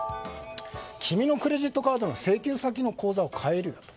君のクレジットカードの請求先の口座を変えるよ。